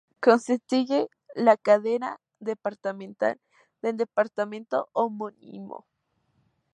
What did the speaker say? Constituye la cabecera departamental del departamento homónimo.